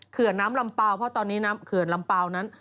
เขื่อนน้ำลำเปล่าเพราะตอนนี้น้ำเขื่อนลำเปล่านั้น